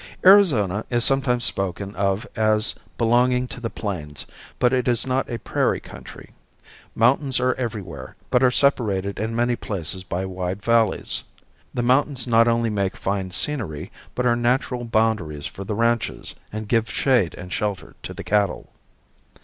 Arizona is sometimes spoken of as belonging to the plains, but it is not a prairie country. Mountains are everywhere, but are separated in many places by wide valleys. The mountains not only make fine scenery, but are natural boundaries for the ranches and give shade and shelter to the cattle.